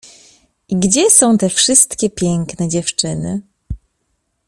i gdzie są te wszystkie piękne dziewczyny?